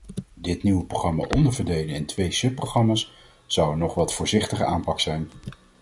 Dit nieuwe programma onderverdelen in twee subprogramma's zou een nog wat voorzichtige aanpak zijn.